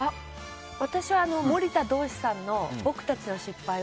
私は森田童子さんの「僕たちの失敗」を。